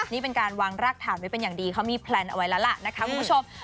นี่เป็นการวางรากฐานไว้เป็นอย่างดีเขามีแพลนเอาไว้แล้วล่ะนะคะคุณผู้ชม